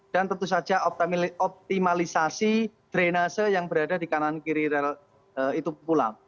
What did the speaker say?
dan tentu saja optimalisasi drenase yang berada di kanan kiri rel itu pulang